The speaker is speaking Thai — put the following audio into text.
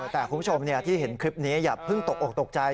แต่คุณผู้ชมที่เห็นคลิปนี้อย่าเพิ่งตกออกตกใจ